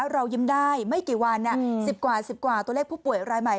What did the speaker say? เรายิ้มได้ไม่กี่วัน๑๐กว่า๑๐กว่าตัวเลขผู้ป่วยรายใหม่